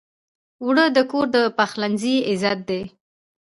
اوړه د کور د پخلنځي عزت دی